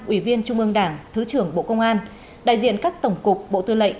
ủy viên trung ương đảng thứ trưởng bộ công an đại diện các tổng cục bộ tư lệnh